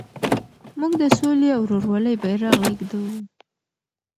موږ د سولې او ورورولۍ بیرغ لېږدوو.